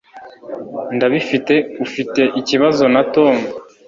Ndabifite ufite ikibazo na Tom